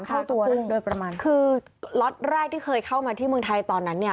เข้าตัวโดยประมาณคือล็อตแรกที่เคยเข้ามาที่เมืองไทยตอนนั้นเนี่ย